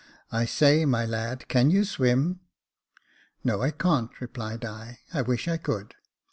" I say, my lad, can you swim ?"" No, I can't," replied I—" I wish I could."